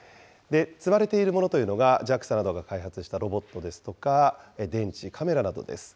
積まれているものというのが、ＪＡＸＡなどが開発したロボットですとか電池、カメラなどです。